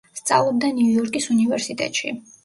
სწავლობდა ნიუ-იორკის უნივერსიტეტში.